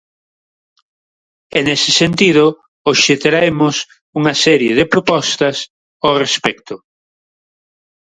E, nese sentido, hoxe traemos unha serie de propostas ao respecto.